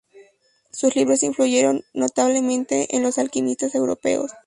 Sus libros influyeron notablemente en los alquimistas europeos.